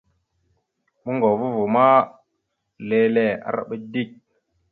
Moŋgovo ava ma lele, arəba dik.